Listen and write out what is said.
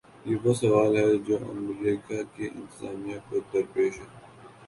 یہ وہ سوال ہے جو امریکہ کی انتظامیہ کو درپیش ہے۔